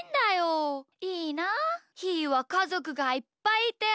ひーはかぞくがいっぱいいて。